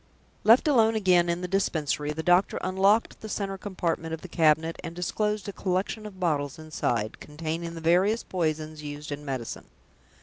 Left alone again in the Dispensary, the doctor unlocked the center compartment of the cabinet, and disclosed a collection of bottles inside, containing the various poisons used in medicine.